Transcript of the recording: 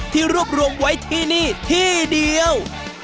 ที่รวบรวมไว้ที่นี่ที่เดียว